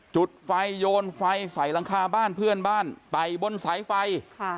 จุดไฟโยนไฟใส่หลังคาบ้านเพื่อนบ้านไต่บนสายไฟ